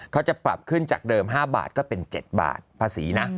เขาจะปรับขึ้นจากเดิม๕บาทก็เป็น๗บาทภาษีนะ